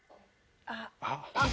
あっ！